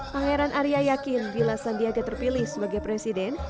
pangeran arya yakin bila sandiaga terpilih sebagai presiden